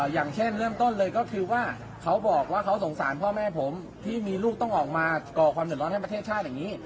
อย่างเช่นเริ่มต้นเลยก็คือว่าเขาบอกว่าเขาสงสารพ่อแม่ผมที่มีลูกต้องออกมาก่อความเดือดร้อนให้ประเทศชาติอย่างนี้